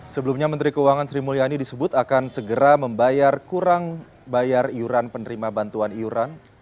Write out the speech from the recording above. sebelumnya menteri keuangan sri mulyani disebut akan segera membayar kurang bayar iuran penerima bantuan iuran